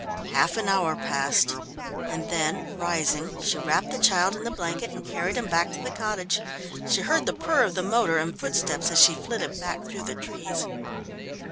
Half an hour passed, and then rising, she wrapped the child in the blanket and carried him back to the cottage. She heard the purr of the motor and footsteps as she flitted back through the trees.